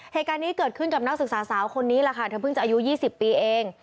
เหตุการณ์นี้เกิดขึ้นกับนักศึกษาสาวคนนี้แหละค่ะเธอเพิ่งจะอายุ๒๐ปีเอง